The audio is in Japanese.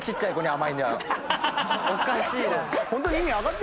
おかしいな。